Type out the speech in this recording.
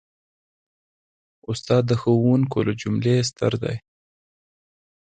استاد د ښوونکو له جملې ستر دی.